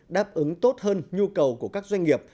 đáp ứng tốt hơn nhu cầu của các doanh nghiệp